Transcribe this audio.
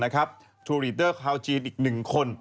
ทัวร์ลีเตอร์คาวจีนอีก๑คน